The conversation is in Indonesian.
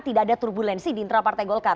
tidak ada turbulensi di internal partai golkar